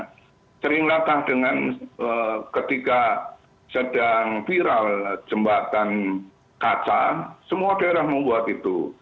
karena sering latah dengan ketika sedang viral jembatan kaca semua daerah membuat itu